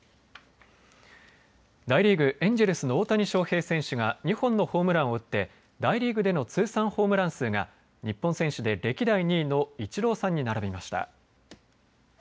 大リーグ、エンジェルスの大谷翔平選手が２本のホームランを打って大リーグでの通算ホームラン数が日本選手で歴代２位のイチローさんに並びました。